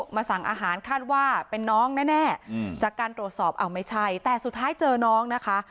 มาสั่งอาหารคาดว่าเป็นน้องแน่จากการตรวจสอบอ้าวไม่ใช่แต่สุดท้ายเจอน้องนะคะ